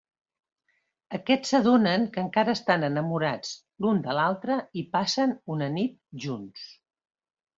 Aquests s'adonen que encara estan enamorats l'un de l'altre i passen una nit junts.